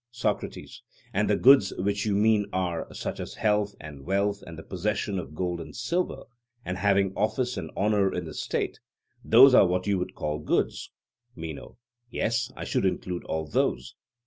SOCRATES: And the goods which you mean are such as health and wealth and the possession of gold and silver, and having office and honour in the state those are what you would call goods? MENO: Yes, I should include all those.